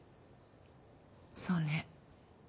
そうね。